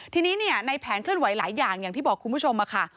ทีนี้ในแผนเคลื่อนไหวหลายอย่างอย่างที่บอกคุณผู้ชมค่ะ